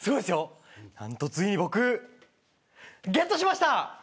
何と、ついに僕ゲットしました。